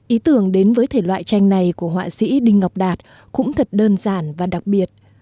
ý tưởng đến với thể loại tranh này của họa sĩ đinh ngọc đạt cũng thật đơn giản và đặc biệt